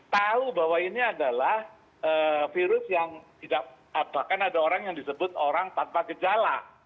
tahu bahwa ini adalah virus yang tidak bahkan ada orang yang disebut orang tanpa gejala